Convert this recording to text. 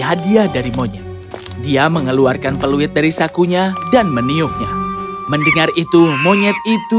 hadiah dari monyet dia mengeluarkan peluit dari sakunya dan meniupnya mendengar itu monyet itu